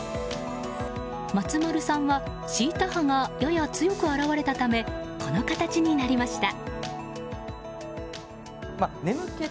松丸さんはシータ波がやや強く表れたためこの形になりました。